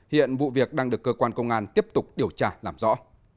hiện vụ việc đang được cơ quan công an tiếp tục điều tra làm rõ